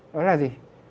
đó là gì